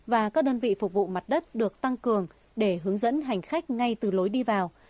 và các đơn vị phục vụ mặt đất được tăng cường để hướng dẫn hành khách ngay từ lối đi vào